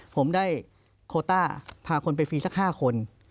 ผมได้โคต้าพาคนไปฟรีสัก๕คน